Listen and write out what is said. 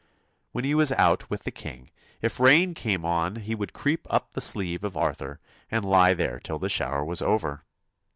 When he was out with the king, if rain came on he would creep up the sleeve of Arthur, and lie there till the shower was over.